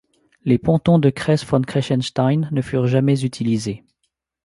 Les pontons de Kress von Kressenstein ne furent jamais utilisés.